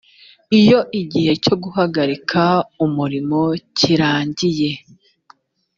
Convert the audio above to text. iyo igihe cyo guhagarika umurimo kirangiye